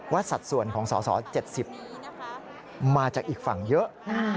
สัดส่วนของสส๗๐มาจากอีกฝั่งเยอะ